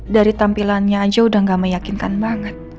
dari tampilannya aja udah gak meyakinkan banget